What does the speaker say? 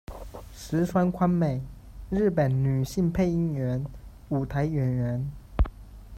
石川宽美，日本女性配音员、舞台演员。